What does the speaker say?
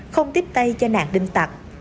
không tiếp tay cho nạn đinh tạc